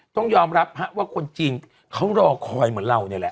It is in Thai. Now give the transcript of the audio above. ต้องยอมรับว่าคนจีนเขารอคอยเหมือนเราเนี่ยแหละ